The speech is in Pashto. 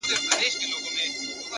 هره ورځ د اصلاح امکان شته.!